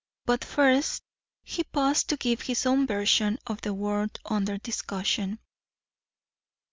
But first he paused to give his own version of the word under discussion.